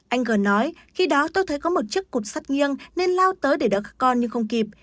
anh g nói khi đó tôi thấy có một chiếc cục sắt nghiêng nên lao tới để đỡ con nhưng không kịp